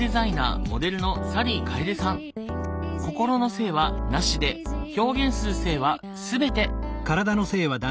心の性は無しで表現する性は全て。